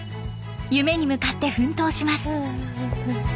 夢に向かって奮闘します。